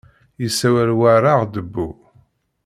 Yessawal war aɣdebbu.